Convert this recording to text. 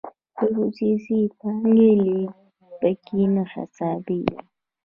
د خصوصي پانګې لیږد پکې نه حسابیږي.